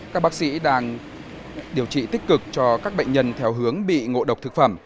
các bác sĩ đang điều trị tích cực cho các bệnh nhân theo hướng bị ngộ độc thực phẩm